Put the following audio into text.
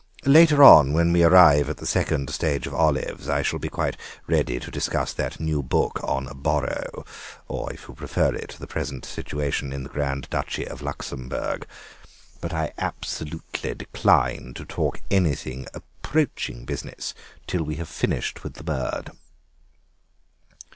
Later on, when we arrive at the second stage of olives, I shall be quite ready to discuss that new book on Borrow, or, if you prefer it, the present situation in the Grand Duchy of Luxemburg. But I absolutely decline to talk anything approaching business till we have finished with the bird."